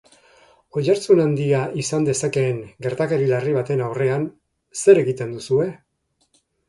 Oihartzun handia izan dezakeen gertakari larri baten aurrean, zer egiten duzue?